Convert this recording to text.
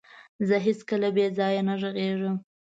زه هيڅکله بيځايه نه غږيږم.